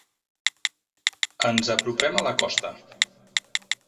Ens apropem a la costa.